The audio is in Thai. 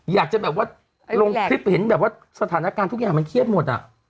อยากจะแบบว่าลงคลิปเห็นแบบว่าสถานการณ์ทุกอย่างมันเครียดหมดอ่ะ